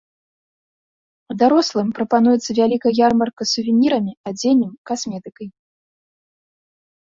А дарослым прапануецца вялікая ярмарка з сувенірамі, адзеннем, касметыкай.